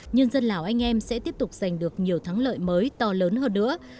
nhân dân lào anh em sẽ tiếp tục giành được nhiều thắng lợi mới to lớn hơn nữa